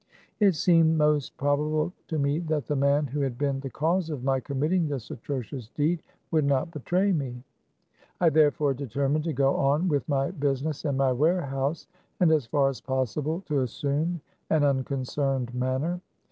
It seemed most probable to me that the man who had been the cause of my committing this atrocious deed would not betray me. I therefore determined to go on with my busi ness in my warehouse, and as far as possible to assume an unconcerned manner.